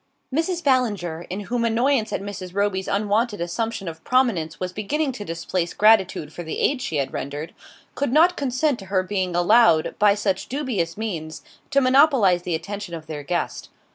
Mrs. Ballinger, in whom annoyance at Mrs. Roby's unwonted assumption of prominence was beginning to displace gratitude for the aid she had rendered, could not consent to her being allowed, by such dubious means, to monopolise the attention of their guest.